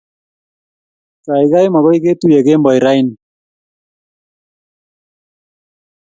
Gaigai, magoy ketuiye kemboi raini